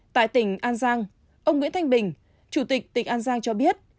tại tỉnh an giang ông nguyễn thanh bình chủ tịch tỉnh an giang cho biết